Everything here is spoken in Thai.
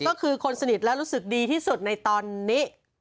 ก็คือคนสนิทและรู้สึกดีที่สุดในตอนนี้